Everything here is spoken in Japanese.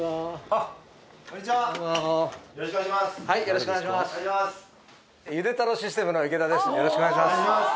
よろしくお願いします